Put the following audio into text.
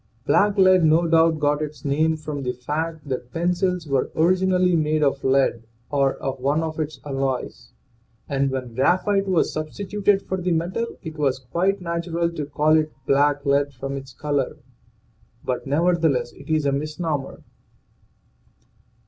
Black lead no doubt got its name from the fact that pencils were originally made of lead or of one of its alloys, and when graphite was substituted for the metal it was quite natural to call it black lead from its color. But nevertheless it is a misnomer.